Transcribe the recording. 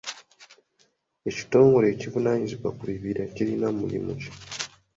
Ekitongole ekivunaanyizibwa ku bibira kirina mulimu ki?